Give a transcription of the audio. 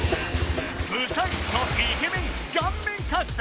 ブサイクとイケメン顔面格差